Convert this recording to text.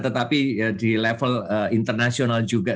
tetapi di level internasional juga